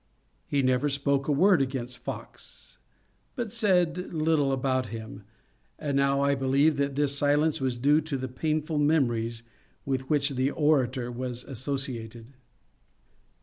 He never spoke a word against Fox, but said little about him, and I now believe that this silence was due to the painful memories with which the orator was associated.